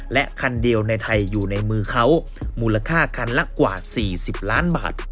และคันเดียวในไทยอยู่ในมือเขามูลค่าคันละกว่า๔๐ล้านบาท